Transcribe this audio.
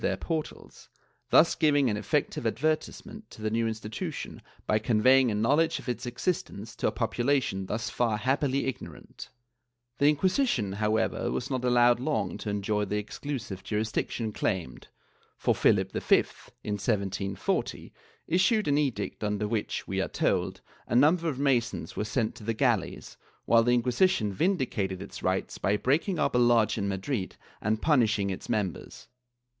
XII] PERSECUTION 301 portals, thus giving an effective advertisement to the new institu tion by conveying a knowledge of its existence to a population thus far happily ignorant/ The Inquisition, however, was not allowed long to enjoy the exclusive jurisdiction claimed, for Philip V, in 1740, issued an edict under which, we are told, a number of Masons were sent to the galleys, while the Inquisition vindicated its rights by breaking up a lodge in Madrid and punishing its members.